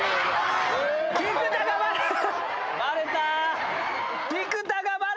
菊田がバレた！